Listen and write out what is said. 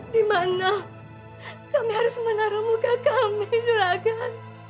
di mana kami harus menaruh muka kami juragan